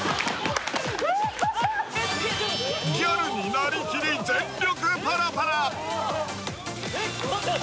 ギャルになりきり全力パラパラ・康ちゃん